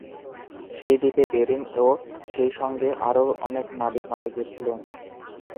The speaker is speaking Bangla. সেই দ্বীপে বেরিং ও সেইসঙ্গে আরও অনেক নাবিক মারা গিয়েছিল।